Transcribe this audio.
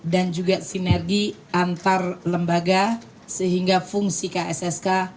dan juga sinergi antar lembaga sehingga fungsi kssk